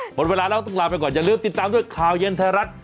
หมดเวลาแล้วต้องลาไปก่อนอย่าลืมติดตามด้วยข่าวเย็นไทยรัฐ